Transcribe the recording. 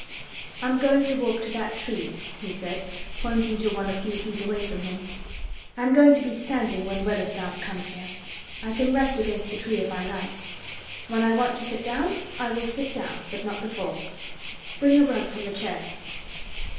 "I'm going to walk to that tree," he said, pointing to one a few feet away from him. "I'm going to be standing when Weatherstaff comes here. I can rest against the tree if I like. When I want to sit down I will sit down, but not before. Bring a rug from the chair."